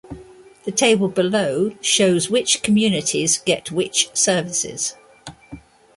The table below shows which communities get which services.